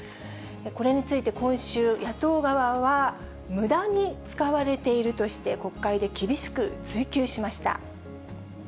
これについて今週、野党側は、むだに使われているとして、国会で厳しく追及しました。